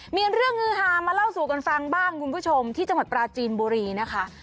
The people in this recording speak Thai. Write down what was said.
มีเรื่องฮือฮามาเล่าสู่กันฟังบ้างคุณผู้ชมที่จังหวัดปราจีนบุรีนะคะ